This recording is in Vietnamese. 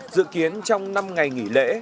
dự kiến trong năm ngày nghỉ lễ